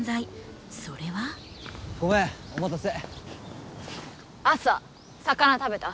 ごめんお待たせ。